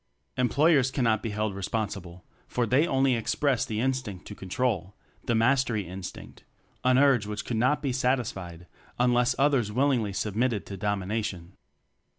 The Employers cannot be held re sponsible, for they only express the instinct "to control," 'the Mastery in stinct an urge which could not be satisfied unless others willingly sub mitted to domination.